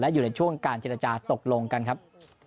อยู่ในช่วงการเจรจาตกลงกันครับ